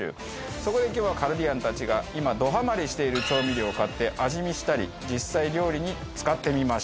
そこで今日はカルディアンたちが今どハマりしている調味料を買って味見したり実際料理に使ってみましょう。